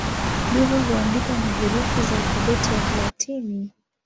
Lugha huandikwa na herufi za Alfabeti ya Kilatini.